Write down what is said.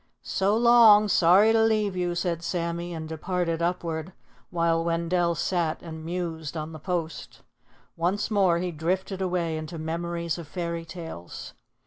"So long. Sorry to leave you," said Sammy, and departed upward, while Wendell sat and mused on the post. Once more he drifted away into memories of fairy tales.